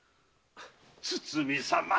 堤様